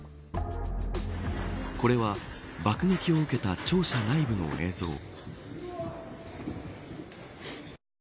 これは、爆撃を受けた庁舎内部の映像。